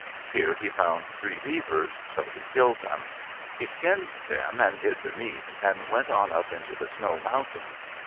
Here he found three beavers, so he killed them. He skinned them and hid the meat, and went on up into the snow mountains.